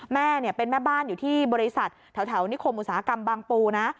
แม่เป็นแม่บ้านอยู่ที่บริษัทแถวนิคมอุตสาหกรรมบางปูนะ